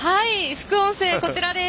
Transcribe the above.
副音声こちらです。